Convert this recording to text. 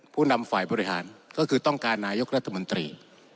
ผู้นำฝ่ายบริหารก็คือต้องการนายกรัฐมนตรี